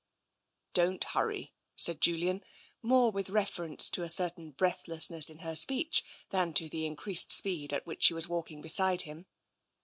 " Don't hurry," said Julian, more with reference to a certain breathlessness in her speech than to the in creased speed at which she was walking beside him.